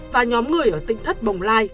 và nhóm người ở tỉnh thất bồng lai